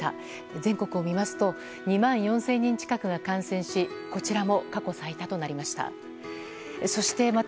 全国を見ますと２万４０００人近くが感染しこちらも過去最多となりました。